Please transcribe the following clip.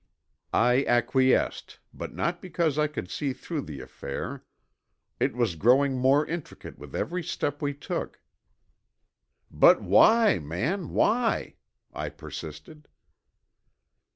I acquiesced, but not because I could see through the affair. It was growing more intricate with every step we took. "But why, man, why?" I persisted.